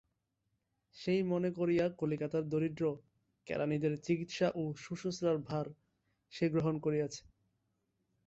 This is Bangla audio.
সেই মনে করিয়া কলিকাতার দরিদ্র কেরানিদের চিকিৎসা ও শুশ্রূষার ভার সে গ্রহণ করিয়াছে।